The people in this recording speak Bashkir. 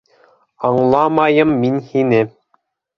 Аңламайым мин һине!